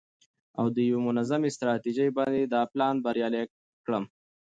او د یوې منظمې ستراتیژۍ باندې دا پلان بریالی کړم.